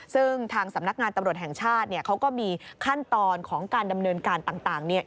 ซึ่งทางสำนักงานตำรวจแห่งชาติเนี่ยเขาก็มีขั้นตอนของการดำเนินการต่างเนี่ย